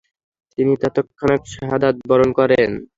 তিনি তৎক্ষণাৎ শাহাদাত বরণ করেন।